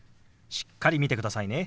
しっかり見てくださいね。